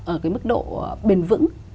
ở cái mức độ bền vững